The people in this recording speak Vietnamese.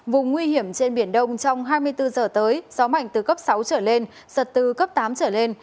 vùng nguy hiểm trên biển đông trong hai mươi bốn giờ tới gió mạnh từ cấp sáu trở lên giật từ cấp tám trở lên